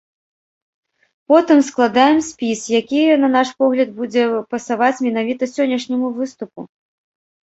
Потым складаем спіс, які, на наш погляд, будзе пасаваць менавіта сённяшняму выступу.